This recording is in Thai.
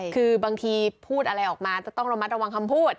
คือบางทีพูดอะไรออกมาจะต้องระมัดระวังคำพูด